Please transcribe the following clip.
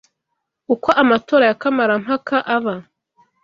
uko amatora ya kamarampaka aba